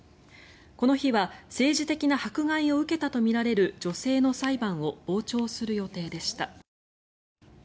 この日は政治的な迫害を受けたとみられる女性の裁判を傍聴する予定でした。